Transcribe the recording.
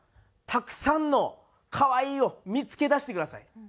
たくさんの可愛いを見付け出してください。